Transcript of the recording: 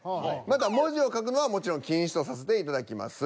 また文字を書くのはもちろん禁止とさせていただきます。